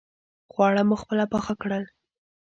خواړه مو خپله پاخه کړل.